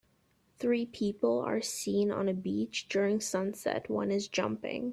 Three people are seen on a beach during sunset, one is jumping.